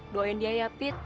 doain dia ya pit